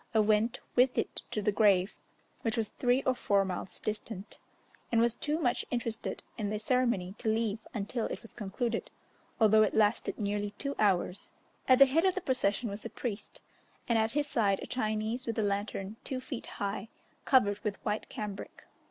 I went with it to the grave, which was three or four miles distant, and was too much interested in the ceremony to leave until it was concluded, although it lasted nearly two hours. At the head of the procession was a priest, and at his side a Chinese with a lantern two feet high, covered with white cambric.